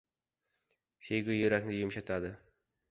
• Sevgi yurakni yumshatadi.